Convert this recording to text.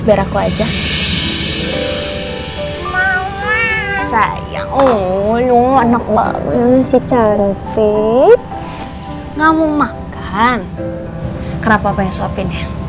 beraku aja mama sayang ngomong anak banget si cantik enggak mau makan kenapa mau sopin ya